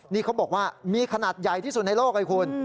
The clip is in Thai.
นี่เขาบอกว่ามีขนาดใหญ่ที่สุดในโลกเลยคุณ